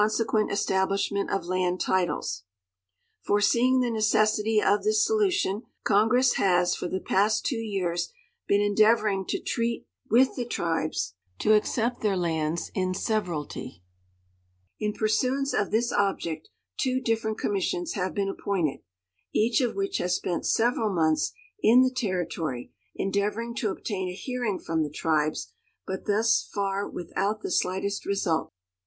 se<iueiit establishment of land titles. Foreseeing the neciissity of this solution, (longnj.ss has for the I>ast two years been endeavoring to treat with the tribes for the 114 SURVEY AXD SUBDIVISIOX OF IXlJlAX TERRITORY purpose of inducing them to accept their lands in severalty. In pursuance of this object two different commissions have been appointed, each of which has spent several months in the Terri tory endeavoring to obtain a hearing from the tribes, but thus for without the slightest result.